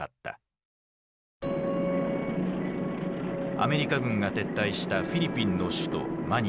アメリカ軍が撤退したフィリピンの首都マニラ。